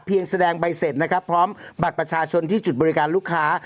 แสดงใบเสร็จนะครับพร้อมบัตรประชาชนที่จุดบริการลูกค้า